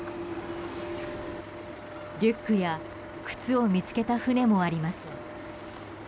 リュックや靴を見つけた船もあります。